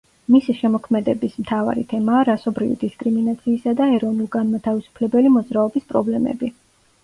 მისი შემოქმედების მთავარი თემაა რასობრივი დისკრიმინაციისა და ეროვნულ-განმათავისუფლებელი მოძრაობის პრობლემები.